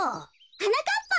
はなかっぱ。